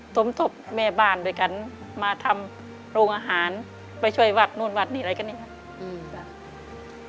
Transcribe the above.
สมทบแม่บ้านด้วยกันมาทำโรงอาหารไปช่วยวัดนู่นวัดนี่อะไรกันนี่ครับ